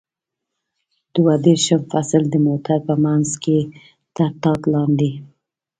دوه دېرشم فصل: د موټر په منځ کې تر ټاټ لاندې.